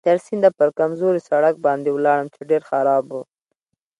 تر سینده پر کمزوري سړک باندې ولاړم چې ډېر خراب و.